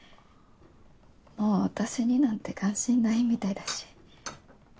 もう私になんて関心ないみたいだし。